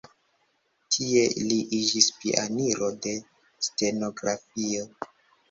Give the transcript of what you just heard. Tie li iĝis pioniro de stenografio.